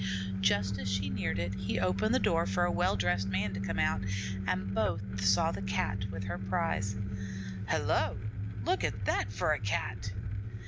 Just as she neared it, he opened the door for a well dressed man to come out, and both saw the Cat with her prize. "Hello! Look at that for a Cat!"